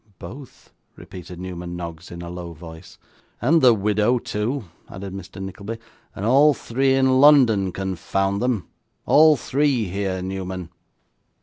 'Both!' repeated Newman Noggs, in a low voice. 'And the widow, too,' added Mr. Nickleby, 'and all three in London, confound them; all three here, Newman.